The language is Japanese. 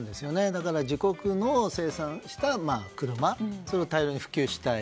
だから自国の生産した車を大量に普及したい。